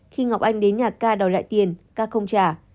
khi ngọc anh đến nhà ca đòi lại tiền ca không trả